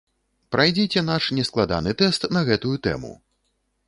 Прайдзіце наш нескладаны тэст на гэтую тэму!